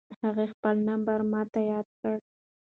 هغې خپل نمبر ماته یاد کړ.